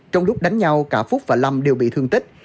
trong lúc đánh nhau cả phúc và lâm đều bị thương tích